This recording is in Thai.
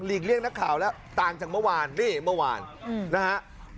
เลี่ยงนักข่าวแล้วต่างจากเมื่อวานนี่เมื่อวานนะฮะ